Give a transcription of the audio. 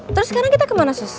terus sekarang kita kemana sus